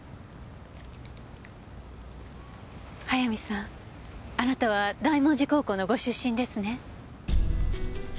速水さんあなたは大文字高校のご出身ですね？